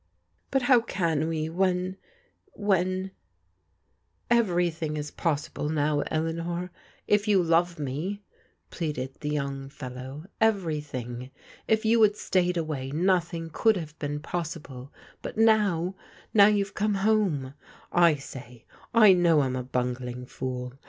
•• But how can we when — ^when ^—"" Everything is possible now, Eleanor, if you love me," pleaded the young fellow. "Everything. If you had stayed away nothing could have been possible, but now — now you've come home — ^I say, I know I'm a btmgling f(X)l.